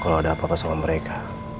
kalau ada apa apa sama mereka